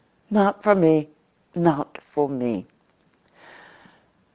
"Not for me—not for me."